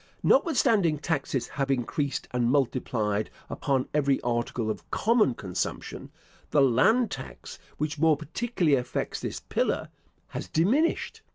Notwithstanding taxes have increased and multiplied upon every article of common consumption, the land tax, which more particularly affects this "pillar," has diminished.